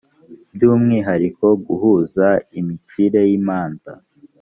byu umwihariko guhuza imicire y imanza